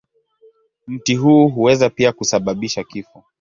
Mti huu huweza pia kusababisha kifo.